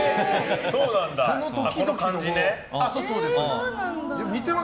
その時々の感じで。